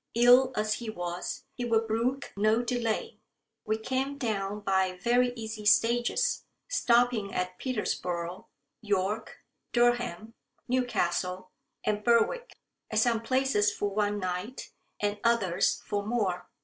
Ill as he was, he would brook no delay. We came down by very easy stages, stopping at Peterborough, York, Durham, Newcastle, and Berwick at some places for one night, and others for more.